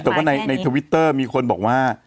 แต่ว่าในทวิตเตอร์มีคนบอกว่า